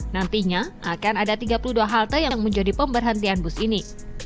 nantinya akan ada tiga puluh dua halte yang menjadi pemberhentian bus ini